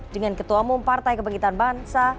dengan ketua mompartai kebangkitan bangsa